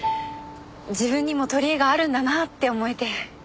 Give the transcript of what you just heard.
自分にも取り柄があるんだなって思えて。